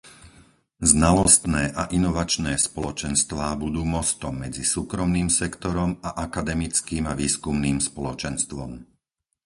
Znalostné a inovačné spoločenstvá budú mostom medzi súkromným sektorom a akademickým a výskumným spoločenstvom.